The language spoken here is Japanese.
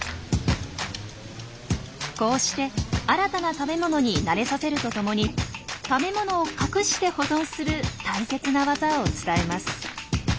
こうして新たな食べ物に慣れさせるとともに食べ物を隠して保存する大切なワザを伝えます。